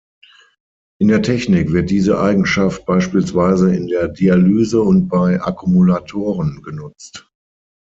In der Technik wird diese Eigenschaft beispielsweise in der Dialyse und bei Akkumulatoren genutzt.